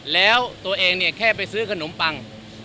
แล้วตัวเองเนี่ยแค่ไปซื้อขนมปัง